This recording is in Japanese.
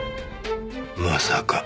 まさか。